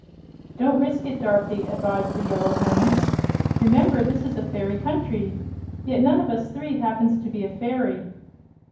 "Don't risk it, Dorothy," advised the Yellow Hen. "Remember this is a fairy country, yet none of us three happens to be a fairy."